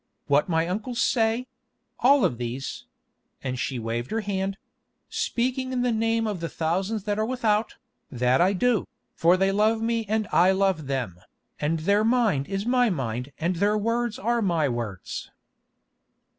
What my uncles say—all of these"—and she waved her hand—"speaking in the name of the thousands that are without, that I do, for they love me and I love them, and their mind is my mind and their words are my words."